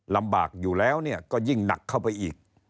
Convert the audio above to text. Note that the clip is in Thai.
ลำบากอยู่แล้วก็ยิ่งหนักเข้าไปอีก